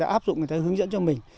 áp dụng người ta hướng dẫn cho mình